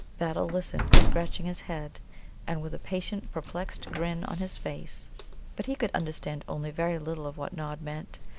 Battle listened, scratching his head, and with a patient, perplexed grin on his face, but he could understand only very little of what Nod meant.